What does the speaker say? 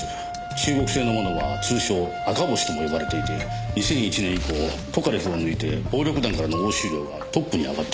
中国製のものは通称赤星とも呼ばれていて２００１年以降トカレフを抜いて暴力団からの押収量がトップに上がってる拳銃です。